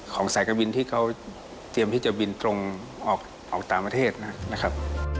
สายการบินที่เขาเตรียมที่จะบินตรงออกต่างประเทศนะครับ